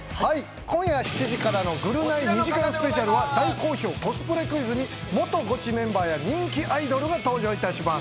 今夜７時からの『ぐるナイ』２時間スペシャルは大好評、コスプレクイズに元ゴチメンバーや人気アイドルが登場いたします。